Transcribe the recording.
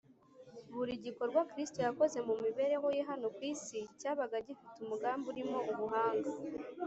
Buri gikorwa Kristo yakoze mu mibereho Ye hano ku isi cyabaga gifite umugambi urimo ubuhanga